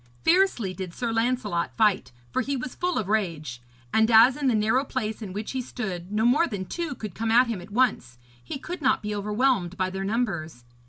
Fiercely did Sir Lancelot fight, for he was full of rage; and as in the narrow place in which he stood, no more than two could come at him at once, he could not be overwhelmed by their numbers.